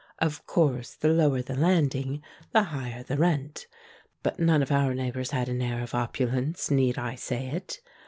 Of course the lower the landing, the higher the rent, but none of our neighbors had an air of opulence, need I say it?